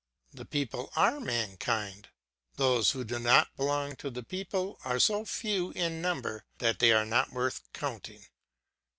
The people are mankind; those who do not belong to the people are so few in number that they are not worth counting.